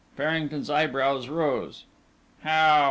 Farrington's eyebrows rose. "How?"